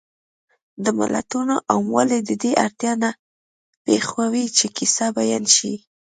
د متلونو عاموالی د دې اړتیا نه پېښوي چې کیسه بیان شي